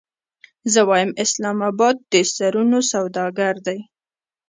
زه وایم اسلام اباد د سرونو سوداګر دی.